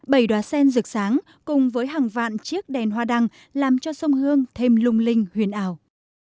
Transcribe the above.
bảy đoà sen rực sáng cùng với hàng vạn chiếc đèn hoa đăng làm cho sông hương thêm lung linh huyền ảo